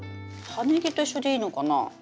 葉ネギと一緒でいいのかな？